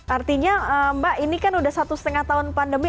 artinya mbak ini kan sudah satu setengah tahun pandemi